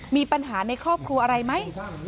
มีปัญหาในครอบครัวอะไรไหม